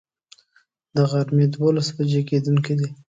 د غرمي دولس بجي کیدونکی دی